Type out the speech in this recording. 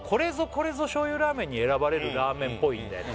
これぞ醤油ラーメンに選ばれるラーメンぽいんだよね